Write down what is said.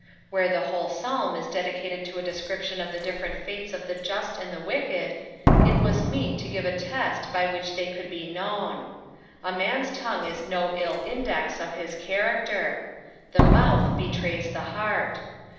Where the whole Psalm ts dedicated to a description of the different fates of the just and the wicked, it was meet to give a test by which they could be known. A man's tongue is no ill indes of hia chanuiter. The mouth betrays the heart.